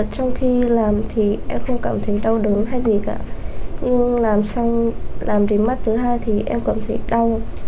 trong khi làm thì em không cảm thấy đau đớn hay gì cả nhưng làm xong làm đến mắt thứ hai thì em cảm thấy đau